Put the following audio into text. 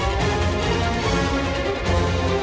tidak ada yang bisa dihukum